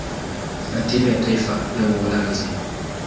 na timu ya taifa ya Uholanzi.